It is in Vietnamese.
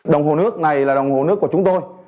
đồng hồ nước này là đồng hồ nước của chúng tôi